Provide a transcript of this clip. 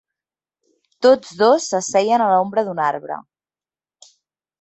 Tots dos s'asseien a l'ombra d'un arbre